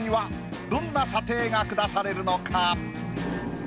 どんな査定が下されるのか？